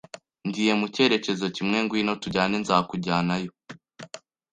Ngiye mu cyerekezo kimwe. Ngwino tujyane. Nzakujyanayo